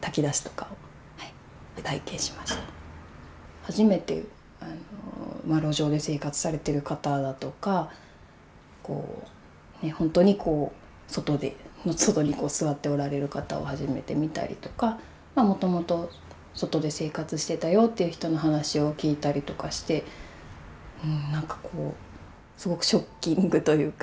初めて路上で生活されてる方だとかこうほんとにこう外に座っておられる方を初めて見たりとかもともと外で生活してたよっていう人の話を聞いたりとかしてなんかこうすごくショッキングというか。